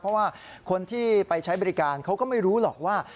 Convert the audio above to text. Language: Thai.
เพราะว่าคนที่ไปใช้บริการเขาก็ไม่รู้หรอกว่า